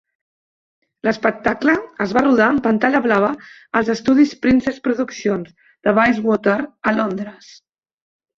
L'espectacle es va rodar en pantalla blava als estudis Princess Productions de Bayswater a Londres.